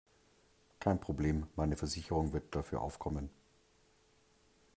Kein Problem, meine Versicherung wird dafür aufkommen.